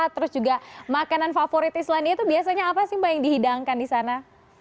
terus juga makanan favorit islandia itu biasanya apa sih mbak yang dihidangkan di sana